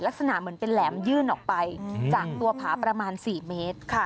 ลักษณะเหมือนเป็นแหลมยื่นออกไปจากตัวผาประมาณ๔เมตร